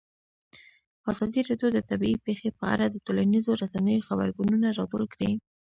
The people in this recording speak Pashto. ازادي راډیو د طبیعي پېښې په اړه د ټولنیزو رسنیو غبرګونونه راټول کړي.